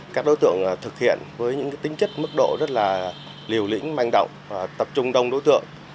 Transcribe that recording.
các đối tượng thực hiện với những tính chất mức độ rất là liều lĩnh manh động và tập trung đông đối tượng